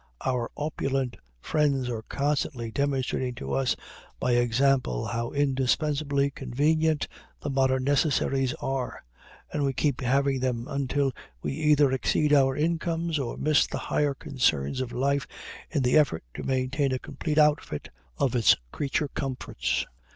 Our opulent friends are constantly demonstrating to us by example how indispensably convenient the modern necessaries are, and we keep having them until we either exceed our incomes or miss the higher concerns of life in the effort to maintain a complete outfit of its creature comforts.